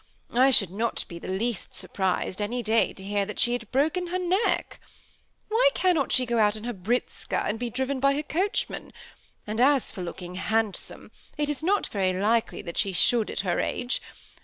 I should not be the least surprised any day to hear that she had broken her heck. Why can not she go out in her britzka, and be driven by her coachman ? and as for looking handsome, it is not very likely that she should at her age.